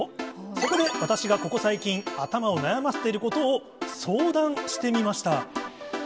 そこで私がここ最近、頭を悩ませていることを相談してみました。